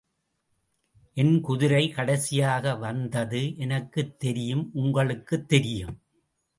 என் குதிரை கடைசியாக வந்தது எனக்கும்தெரியும் உங்களுக்கும் தெரியும்.